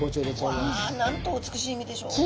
わあなんと美しい身でしょう。